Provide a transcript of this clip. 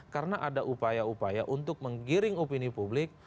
karena ada upaya upaya untuk menggiring opini publik